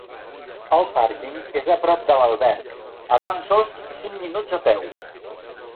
El pàrquing és a prop de l'alberg, a tan sols cinc minuts a peu.